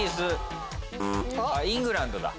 イングランドだ。